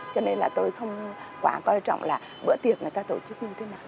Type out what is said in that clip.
cho nên là tôi không quá coi trọng là bữa tiệc người ta tổ chức như thế nào